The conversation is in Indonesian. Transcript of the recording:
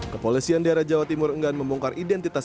kepolisian daerah jawa timur enggan membongkar identitas